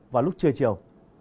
vào lúc trưa chiều